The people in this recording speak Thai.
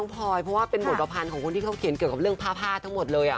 พลอยเพราะว่าเป็นบทภัณฑ์ของคนที่เขาเขียนเกี่ยวกับเรื่องผ้าทั้งหมดเลย